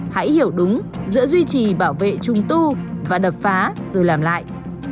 hãy hiểu đúng giữa duy trì bảo vệ trùng tu và đập phá rồi làm lại